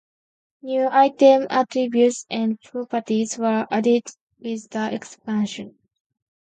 New item attributes and properties were added with the expansion.